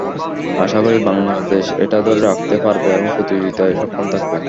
আশা করি, বাংলাদেশ এটা ধরে রাখতে পারবে এবং প্রতিযোগিতায় সক্ষম থাকবে।